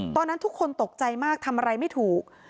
ตอนนั้นทุกคนตกใจมากทำอะไรไม่ถูก